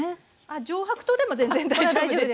あっ上白糖でも全然大丈夫です。